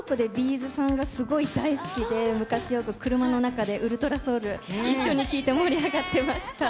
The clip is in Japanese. ’ｚさんがすごい大好きで、昔よく車の中でｕｌｔｒａｓｏｕｌ、一緒に聴いて盛り上がってました。